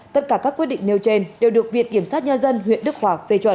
tất cả các quyết định nêu trên đều được viện kiểm sát nhân dân huyện đức hòa phê chuẩn